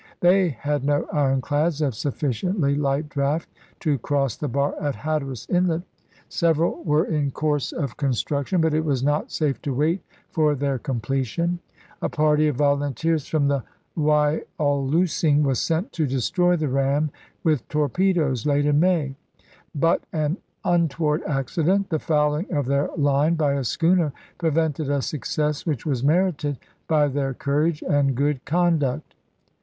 They had no ironclads of sufficiently light draft to cross the bar at Hatteras Inlet ; sev eral were in course of construction, but it was not safe to wait for their completion. A party of volunteers from the Wyalusing was sent to destroy the ram with torpedoes, late in May; but an un toward accident, the fouling of their line by a schooner, prevented a success which was merited by their courage and good conduct.